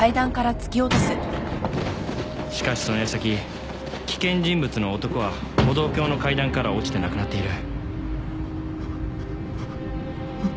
しかしその矢先危険人物の男は歩道橋の階段から落ちて亡くなっている。